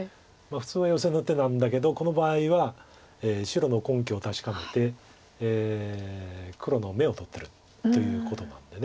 普通はヨセの手なんだけどこの場合は白の根拠を確かめて黒の眼を取ってるということなんで。